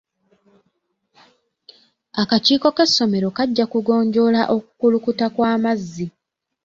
Akakiiko k'essomero kajja kugonjoola okukulukuta kw'amazzi.